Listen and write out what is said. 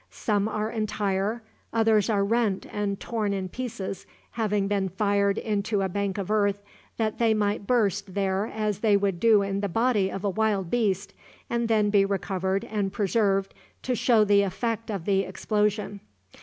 Some are entire; others are rent and torn in pieces, having been fired into a bank of earth, that they might burst there as they would do in the body of a wild beast, and then be recovered and preserved to show the effect of the explosion.